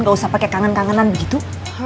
gak usah pakai kangen kangenan begitu